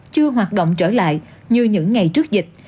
chưa hoạt động trở lại như những ngày trước dịch